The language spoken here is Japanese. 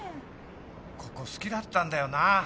ここ好きだったんだよな。